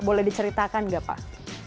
boleh diceritakan nggak pak